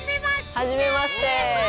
はじめまして！